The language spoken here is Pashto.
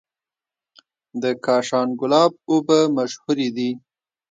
د کاشان ګلاب اوبه مشهورې دي.